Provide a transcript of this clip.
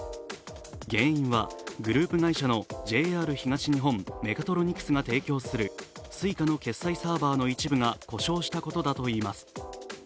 原因はグループ会社のＪＲ東日本メカトロニクスが提供するＳｕｉｃａの決済サーバーの一部が故障したことだといいます。